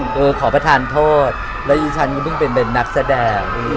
คือขอประทานโทษและดิฉันก็เพิ่งเป็นนักแสดง